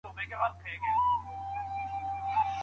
ولي هوډمن سړی د با استعداده کس په پرتله برخلیک بدلوي؟